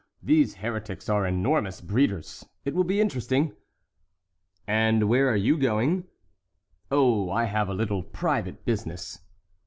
These heretics are enormous breeders; it will be interesting." "And where are you going?" "Oh, I have a little private business."